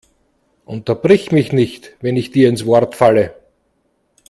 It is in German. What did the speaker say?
Unterbrich mich nicht, wenn ich dir ins Wort falle!